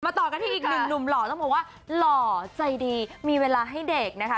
ต่อกันที่อีกหนึ่งหนุ่มหล่อต้องบอกว่าหล่อใจดีมีเวลาให้เด็กนะคะ